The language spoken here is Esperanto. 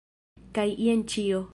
Kaj jen ĉio!